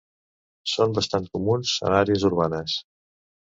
Són bastant comuns en àrees urbanes.